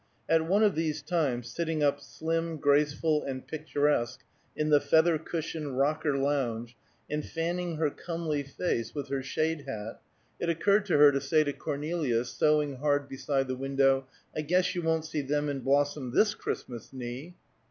At one of these times, sitting up slim, graceful and picturesque, in the feather cushioned rocker lounge, and fanning her comely face with her shade hat, it occurred to her to say to Cornelia, sewing hard beside the window, "I guess you won't see them in blossom this Christmas, Nie."